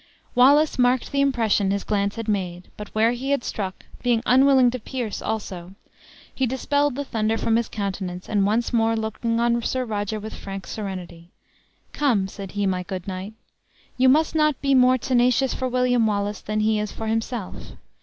Wallace marked the impression his glance had made, but where he had struck, being unqilling to pierce also, he dispelled the thunder from his countenance, and once more looking on Sir Roger with a frank serenity. "Come," said he, "my good knight; you must not be more tenacious for William Wallace than he is for himself!